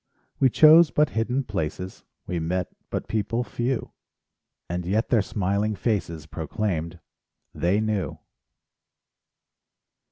We chose but hidden places, We met but people few; And yet their smiling faces Proclaimed: they knew!